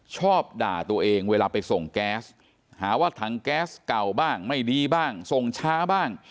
ชอบด่าตัวเองเวลาไปส่งแก๊สหาว่าถังแก๊สเก่าบ้างไม่ดีบ้างส่งช้าบ้าง